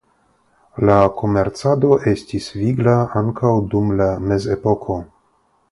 La komercado estis vigla ankaŭ dum la mezepoko.